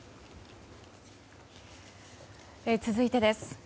続いてです。